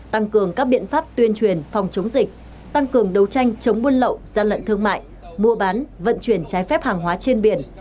tăng cường các biện pháp tuyên truyền phòng chống dịch tăng cường đấu tranh chống buôn lậu gian lận thương mại mua bán vận chuyển trái phép hàng hóa trên biển